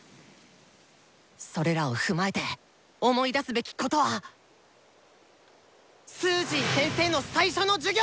それらを踏まえて思い出すべきことはスージー先生の最初の授業！